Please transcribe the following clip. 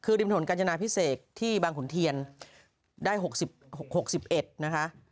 คือริมถนนกาญจนาพิเศษที่บางขุนเทียนได้๖๑นะคะ